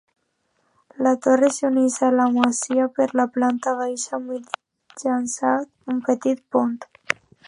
La torre s'uneix a la masia per la planta baixa mitjançant un petit pont.